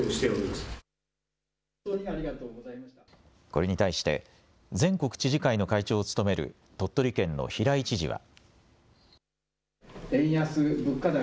これに対して全国知事会の会長を務める鳥取県の平井知事は。